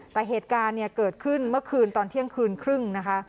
แต่เหตุการณ์เนี่ยเกิดขึ้นเมื่อคืนตอนเที่ยงคืนครึ่งนะคะ